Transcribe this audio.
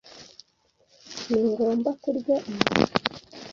Ningomba kurya ibi?